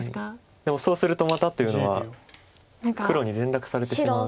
でもそうするとまたというのは黒に連絡されてしまう。